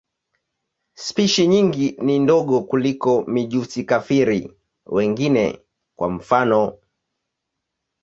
Spishi nyingi ni ndogo kuliko mijusi-kafiri wengine, kwa mfano.